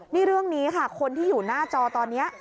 นี่เรื่องนี้ค่ะคนที่อยู่หน้าจอตอนนี้